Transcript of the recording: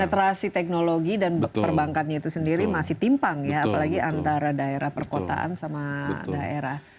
penetrasi teknologi dan perbankannya itu sendiri masih timpang ya apalagi antara daerah perkotaan sama daerah